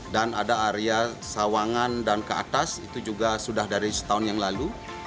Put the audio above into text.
dan ada area sawangan dan ke atas itu juga sudah dari satu tahun yang lalu